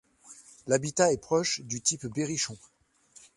L'habitat est proche du type berrichon.